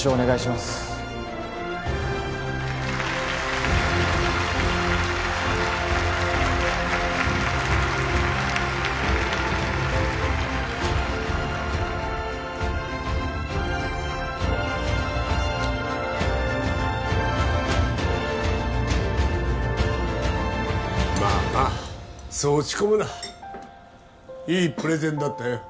まあまあそう落ち込むないいプレゼンだったよ